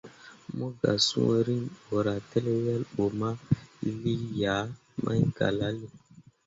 Mo gah sũũ riŋ borah tǝl wel bo ma lii yah mai galale.